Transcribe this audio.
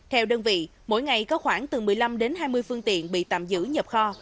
theo đơn vị mỗi ngày có khoảng từ một mươi năm đến hai mươi phương tiện bị tạm giữ nhập kho